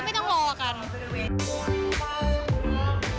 ซึ่งก็ไม่ต้องรอกัน